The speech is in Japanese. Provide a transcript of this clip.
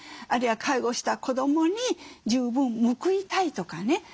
あるいは介護した子どもに十分報いたいとかね。